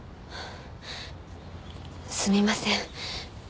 すみません。